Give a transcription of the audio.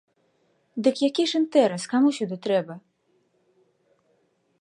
Дык які ж інтэрас, каму сюды трэба?